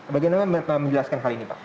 bagaimana menjelaskan hal ini